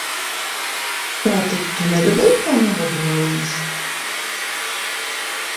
Tātad tu nedabūji to naudu no viņas?